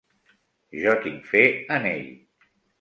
Jo tinc fe en ell.